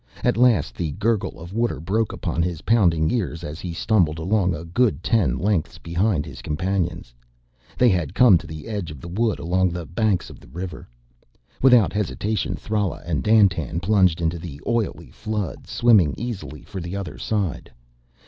At last the gurgle of water broke upon his pounding ears, as he stumbled along a good ten lengths behind his companions. They had come to the edge of the wood along the banks of the river. Without hesitation Thrala and Dandtan plunged into the oily flood, swimming easily for the other side.